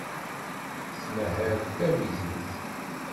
Tettmahal d tawizit.